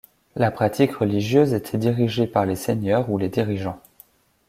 La pratique religieuse était dirigée par les seigneurs ou les dirigeants.